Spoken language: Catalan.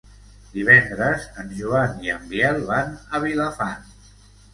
Divendres en Joan i en Biel van a Vilafant.